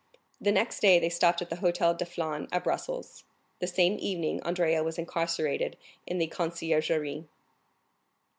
The next day they stopped at the Hôtel de Flandre, at Brussels. The same evening Andrea was incarcerated in the Conciergerie.